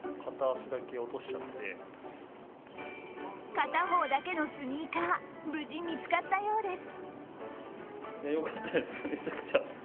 片方だけのスニーカー、無事見つかったようです。